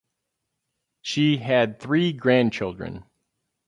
She had three grandchildren.